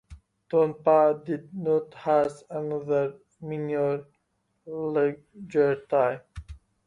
Tonopah did not host another minor league team.